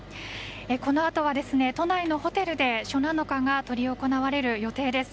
このあとは、都内のホテルで初七日が執り行われる予定です。